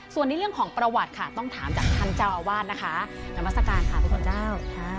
ส่วนในเรื่องของประวัติค่ะต้องถามจากท่านเจ้าอาวาสนะคะนามัศกาลค่ะพระพุทธเจ้า